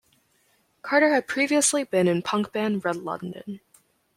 Carter had previously been in punk band Red London.